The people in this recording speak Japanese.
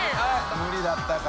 無理だったか。